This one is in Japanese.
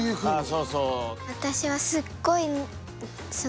そうそう。